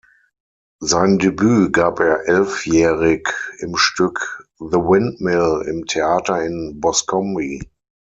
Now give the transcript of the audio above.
Sein Debüt gab er elfjährig im Stück "The Windmill" im Theater in Boscombe.